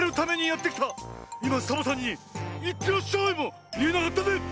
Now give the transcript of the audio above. いまサボさんに「いってらっしゃい」もいえなかったね。